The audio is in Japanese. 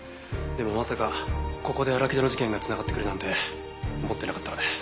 でもまさかここで荒木田の事件が繋がってくるなんて思ってなかったので。